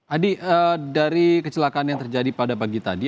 adi dari kecelakaan yang terjadi pada pagi tadi